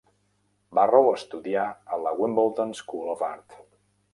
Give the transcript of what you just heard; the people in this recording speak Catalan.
Borrow estudià a la Wimbledon School of Art.